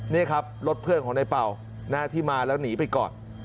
นี่ครับรถเพื่อนของในเป่าที่มาแล้วหนีไปก่อน